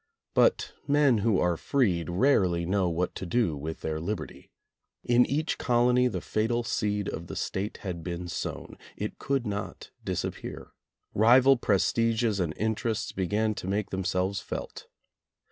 But men who are freed rarely know what to do with their liberty. In each colony the fatal seed of the State had been sown ; it could not dis appear. Rival prestiges and interests began to make themselves felt.